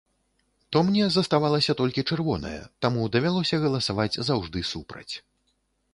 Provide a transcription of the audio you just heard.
То мне заставалася толькі чырвоная, таму давялося галасаваць заўжды супраць.